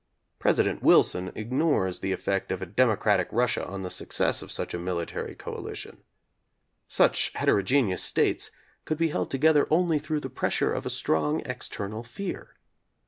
President Wilson ignores the effect of a democratic Russia on the success of such a military coalition. Such hetero geneous states could be held together only through the pressure of a strong external fear.